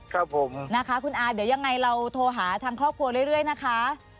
ครับผมนะคะคุณอาเดี๋ยวยังไงเราโทรหาทางครอบครัวเรื่อยนะคะ